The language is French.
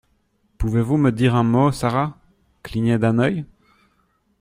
Pouvez-vous me dire un mot, Sara? Cligner d’un œil ?